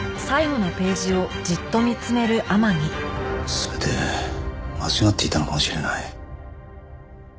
全て間違っていたのかもしれない。